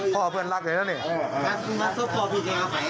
พ่อเพื่อนรักเองเลยนะนี่